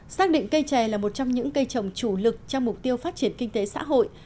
xác định cây chè là một trong những cây trồng chủ lực trong mục tiêu phát triển kinh tế xã hội